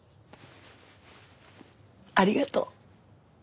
ありがとう。